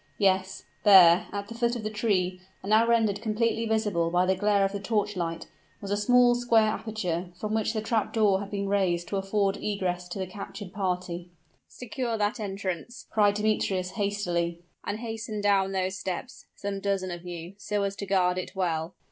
Yes there, at the foot of the tree, and now rendered completely visible by the glare of the torch light, was a small square aperture, from which the trap door had been raised to afford egress to the captured party. "Secure that entrance!" cried Demetrius, hastily; "and hasten down those steps, some dozen of you, so as to guard it well!"